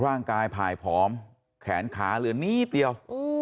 ร่างกายผ่ายผอมแขนขาเหลือนิดเดียว